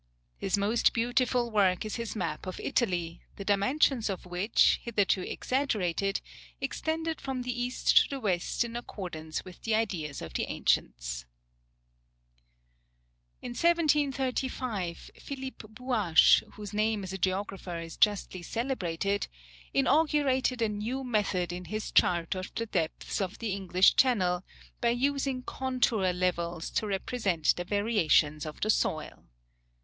His most beautiful work is his map of Italy, the dimensions of which, hitherto exaggerated, extended from the east to the west in accordance with the ideas of the ancients. In 1735, Philip Buache, whose name as a geographer is justly celebrated, inaugurated a new method in his chart of the depths of the English Channel, by using contour levels to represent the variations of the soil.